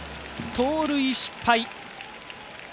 盗塁失敗。